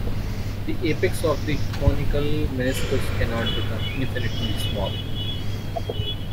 The apex of the conical meniscus cannot become infinitely small.